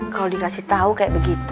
kalau dikasih tahu kayak begitu